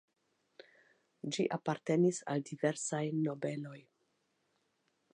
Ĝi apartenis al diversaj nobeloj.